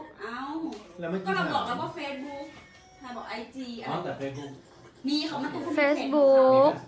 ก็เราบอกว่าเฟซบุ๊กถ้าบอกไอจีอ้อแต่เฟซบุ๊ก